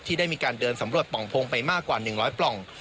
ได้มีการเดินสำรวจปล่องโพงไปมากกว่า๑๐๐ปล่อง